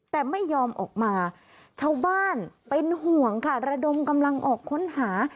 แต่ไม่ยอมออกมาชาวบ้านเป็นห่วงค่ะระดมกำลังออกค้นหา